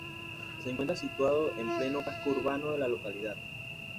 Se encuentra situado en pleno casco urbano de la localidad.